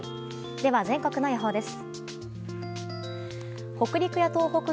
では全国の予報です。